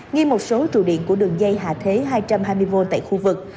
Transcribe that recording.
nghi một số trụ điện của đường dây hạ thế hai trăm hai mươi một tại khu vực